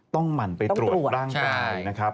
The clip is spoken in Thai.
หมั่นไปตรวจร่างกายนะครับ